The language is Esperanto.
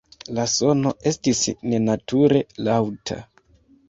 La sono estis nenature laŭta.